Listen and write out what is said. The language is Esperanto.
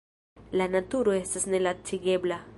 La naturo estas nelacigebla.